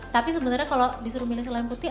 tapi sebenernya kalo disuruh pilih selain putih